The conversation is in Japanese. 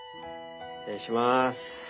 失礼します。